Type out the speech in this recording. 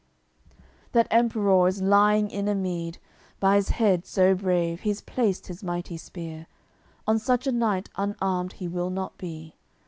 CLXXXIII That Emperour is lying in a mead; By's head, so brave, he's placed his mighty spear; On such a night unarmed he will not be.